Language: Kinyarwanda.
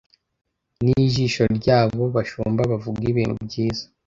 nijisho ryabo bashumba bavuga ibintu byiza